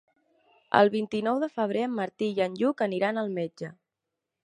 El vint-i-nou de febrer en Martí i en Lluc aniran al metge.